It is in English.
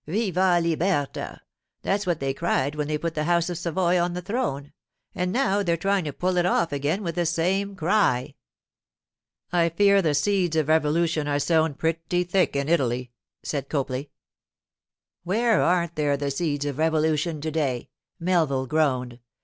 "Viva libertà!" That's what they cried when they put the House of Savoy on the throne, and now they're trying to pull it off again with the same cry.' 'I fear the seeds of revolution are sown pretty thick in Italy,' said Copley. 'Where aren't there the seeds of revolution to day?' Melville groaned.